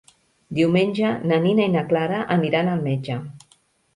Diumenge na Nina i na Clara aniran al metge.